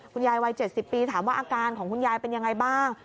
คุณยายวัย๗๐ปีถามว่าอาการของคุณยายเป็นอย่างไรบ้าง